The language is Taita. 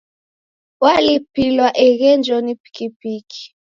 Walipilwa eghenjo ni pikipiki.